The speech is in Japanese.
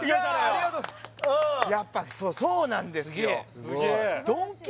やっぱそうなんですよ